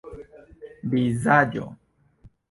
vizaĝo